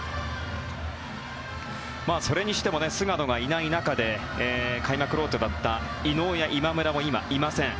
それにしても菅野がいない中で開幕ローテだった井納や今村も今、いません。